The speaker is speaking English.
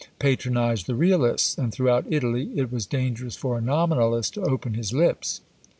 patronised the Realists, and throughout Italy it was dangerous for a Nominalist to open his lips.